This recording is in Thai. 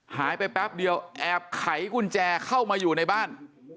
หายไปแป๊บเดียวแอบไขกุญแจเข้ามาอยู่ในบ้าน